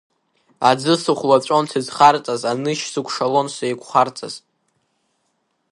Аӡы сыхәлаҵәон сыӡхарцаз, анышь сыкәшалон сеиқәхарцаз.